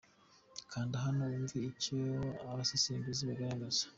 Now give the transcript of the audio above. Kanda hano wumve icyo abasesenguzi bagaragaza.